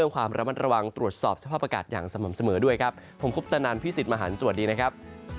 ความระมัดระวังตรวจสอบสภาพอากาศอย่างสม่ำเสมอด้วยครับผมคุปตนันพี่สิทธิ์มหันฯสวัสดีนะครับ